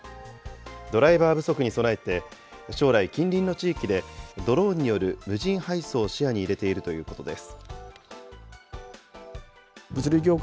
ドライバー不足に備えて、将来、近隣の地域でドローンによる無人配送を視野に入れているということです。